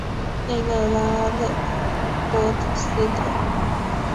内勒拉勒波斯特。